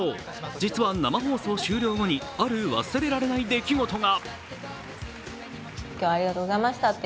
実は生放送終了後に、ある忘れられない出来事が。